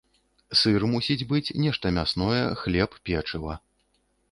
Сыр мусіць быць, нешта мясное, хлеб, печыва.